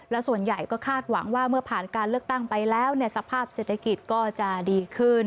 และส่วนใหญ่ก็คาดหวังว่าเมื่อผ่านการเลือกตั้งไปแล้วสภาพเศรษฐกิจก็จะดีขึ้น